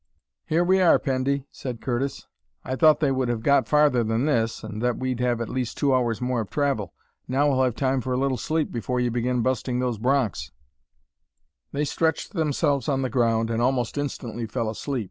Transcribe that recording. "Here we are, Pendy!" said Curtis. "I thought they would have got farther than this, and that we'd have at least two hours more of travel. Now we'll have time for a little sleep before you begin busting those broncs." They stretched themselves on the ground and almost instantly fell asleep.